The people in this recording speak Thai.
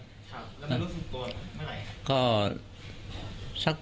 แล้วมารู้สึกตัวเมื่อไหร่ครับ